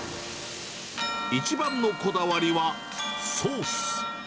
一番のこだわりはソース。